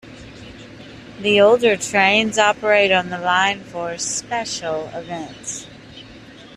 The older trains operate on the line for special events.